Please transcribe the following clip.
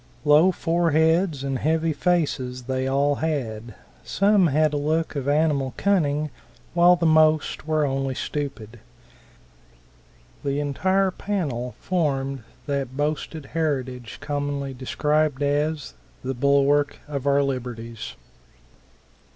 Low foreheads and heavy faces they all had; some had a look of animal cunning, while the most were only stupid. The entire panel formed that boasted heritage commonly described as the "bulwark of our liberties."